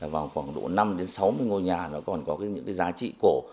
vào khoảng độ năm đến sáu mươi ngôi nhà nó còn có những cái giá trị cổ